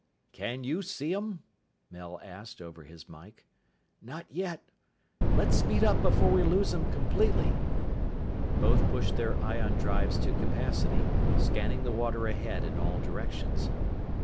"Can you see 'em?" Mel asked over his mike. "Not yet. Let's speed up before we lose 'em completely!" Both pushed their ion drives to capacity, scanning the water ahead in all directions.